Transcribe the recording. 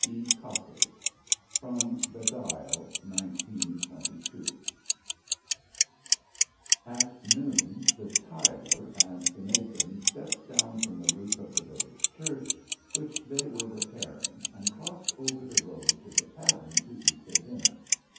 E. COPPARD (From The Dial) 1922 At noon the tiler and the mason stepped down from the roof of the village church which they were repairing and crossed over the road to the tavern to eat their dinner.